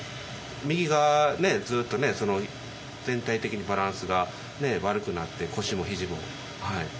右がずっと全体的にバランスが悪くなって腰も肘も。